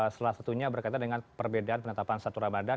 salah satunya berkaitan dengan perbedaan penetapan satu ramadhan